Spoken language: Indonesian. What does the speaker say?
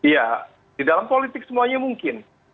ya di dalam politik semuanya mungkin